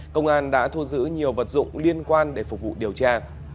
công an đã thu giữ nhiều vật dụng liên quan để phục vụ điều tra